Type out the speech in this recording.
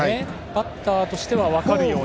バッターとしては、分かるような。